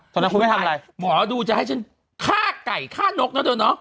ตอนนั้นคุณไม่ทำอะไรหมอดูจะให้ฉันฆ่าไก่ฆ่านกนะเธอเนาะ